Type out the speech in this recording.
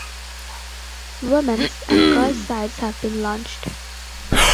Womens and girls sides have been launched.